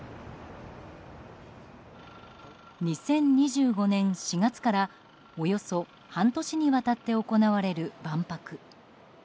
２０２５年４月からおよそ半年にわたって行われる万博。